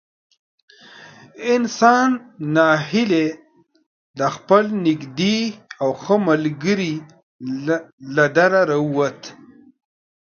انسان نا هیلی د خپل نږدې او ښه ملګري له دره را ووت.